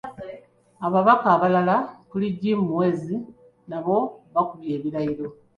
Ababaka abalala okuli Jim Muhwezi nabo bakubye ebirayiro.